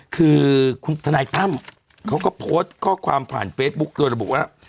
คือคุณสนัยพร่ำเขาก็โพสต์ข้อความผ่านเฟสบุ๊กโดยระบุกระนับ